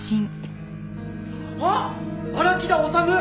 あっ荒木田修！